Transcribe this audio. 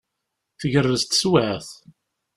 Tgerrez teswiɛt.